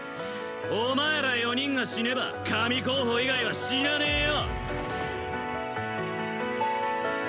お前ら４人が死ねば神候補以外は死なねえよ